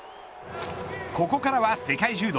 ここからは世界柔道。